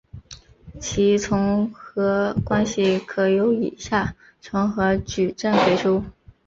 其重合关系可由以下重合矩阵给出。